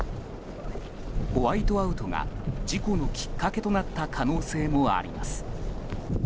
ホワイトアウトが事故のきっかけとなった可能性もあります。